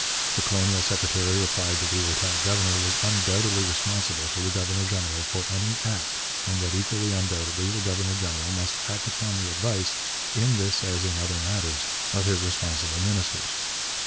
The colonial secretary replied that the lieutenant governor was undoubtedly responsible to the governor general for any act, and that equally undoubtedly the governor general must act upon the advice, in this as in other matters, of his responsible ministers.